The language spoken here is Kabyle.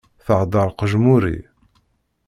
Thedder qejmuri!